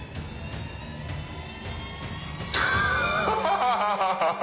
ハハハハハ！